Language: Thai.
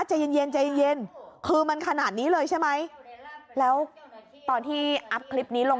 ใจเย็นเย็นใจเย็นคือมันขนาดนี้เลยใช่ไหมแล้วตอนที่อัพคลิปนี้ลง